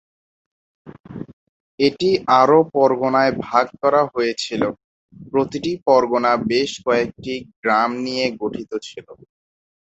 এটি আরও পরগনায় ভাগ করা হয়েছিল; প্রতিটি পরগনা বেশ কয়েকটি গ্রাম নিয়ে গঠিত ছিল।